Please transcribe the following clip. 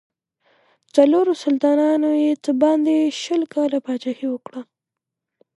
څلورو سلطانانو یې څه باندې شل کاله پاچهي وکړه.